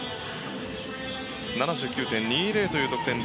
７９．２０という得点。